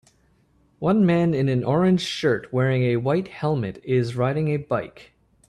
One man in an orange shirt wearing a white helmet is riding a bike.